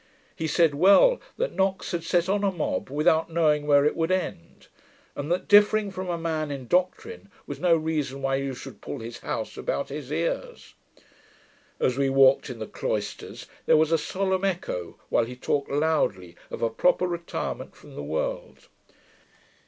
He said well, that 'Knox had set on a mob, without knowing where it would end; and that differing from a man in doctrine was no reason why you should pull his house about his ears'. As we walked in the cloisters, there was a solemn echo, while he talked loudly of a proper retirement from the world.